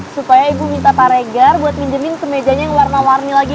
supaya ibu minta paregar buat minjemin semejanya yang warna warni lagi